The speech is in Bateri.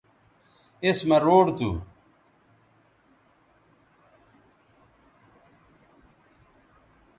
اس مہ روڈ تھو